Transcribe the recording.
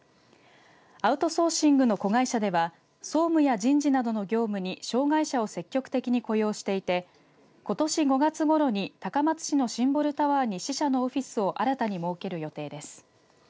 アウトソーシングの子会社では総務や人事などの業務に障害者を積極的に雇用していてことし５月ごろに高松市のシンボルタワーに支社のオフィスを新たに設ける予定です。